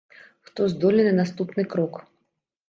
Хто здольны на наступны крок?